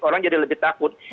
orang jadi lebih takut